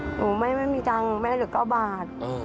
หนูไม่มีจังแม่เหลือเก้าบาท